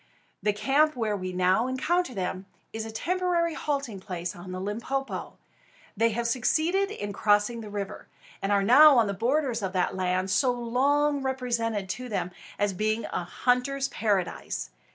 The camp where we now encounter them is a temporary halting place on the Limpopo. They have succeeded in crossing the river, and are now on the borders of that land so long represented to them as being a hunter's paradise.